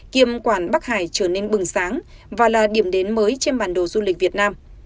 kiêm quản bắc hải trở nên bừng sáng và là điểm đến mới trên bản đồ du lịch việt nam